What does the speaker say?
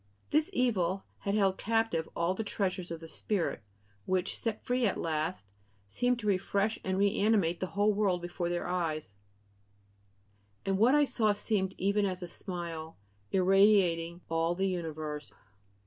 This evil had held captive all the treasures of the spirit, which, set free at last, seem to refresh and reanimate the whole world before their eyes: "And what I saw seemed even as a smile. Irradiating all the universe...."